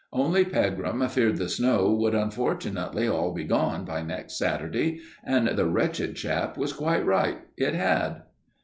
Only Pegram feared the snow would unfortunately all be gone by next Saturday; and the wretched chap was quite right it had.